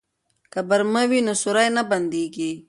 که برمه وي نو سوري نه بنديږي.